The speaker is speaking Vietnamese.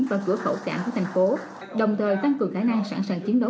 và cửa khẩu cảng của thành phố đồng thời tăng cường khả năng sẵn sàng chiến đấu